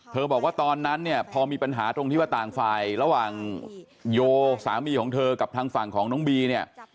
บอกว่าตอนนั้นเนี่ยพอมีปัญหาตรงที่ว่าต่างฝ่ายระหว่างโยสามีของเธอกับทางฝั่งของน้องบีเนี่ย